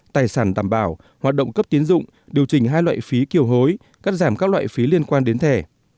tài sản tạm bảo hoạt động cấp tiến dụng điều chỉnh hai loại phí kiều hối cắt giảm các loại phí liên quan đến thẻ